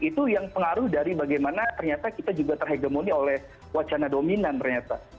itu yang pengaruh dari bagaimana ternyata kita juga terhegemoni oleh wacana dominan ternyata